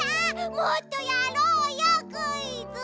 もっとやろうよクイズ！